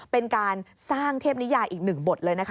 เป็นการสร้างเทพนิยายอีกหนึ่งบทเลยนะคะ